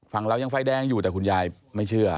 เรายังไฟแดงอยู่แต่คุณยายไม่เชื่อ